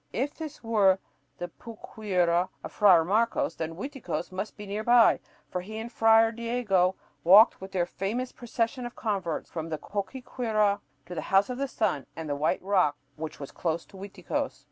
If this were the "Puquiura" of Friar Marcos, then Uiticos must be near by, for he and Friar Diego walked with their famous procession of converts from "Puquiura" to the House of the Sun and the "white rock" which was "close to Uiticos."